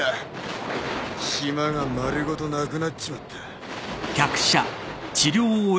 島が丸ごとなくなっちまった。